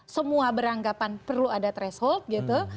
semua beranggapan perlu ada threshold gitu